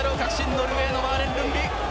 ノルウェーのマーレン・ルンビ。